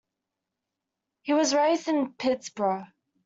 He was raised in Pittsburgh.